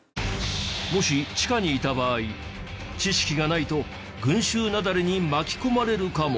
もし地下にいた場合知識がないと群集雪崩に巻き込まれるかも。